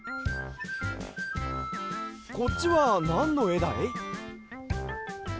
こっちはなんのえだい？